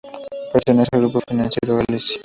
Pertenece al Grupo Financiero Galicia.